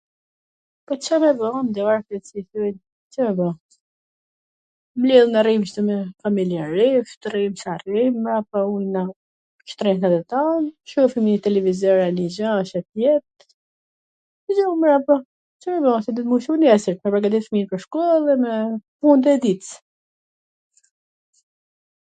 Po Ca ma ba, Ca me n darket si thojn, Ca me ba... mblidhna rrim kshtu familjarisht, rrim sa t rrim, mbrapa ulna shtrojmt tan ... shojhim nonj televizor a njw gja Ca t jet ... gjum mbrapa.. Ca me ba se duhet meu Cu neswr, me pregatit fmijt pwrshkoll edhe me ... punt e dits...